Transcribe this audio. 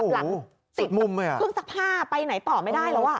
สุดมุมเลยติดเครื่องซักผ้าไปไหนต่อไม่ได้แล้ว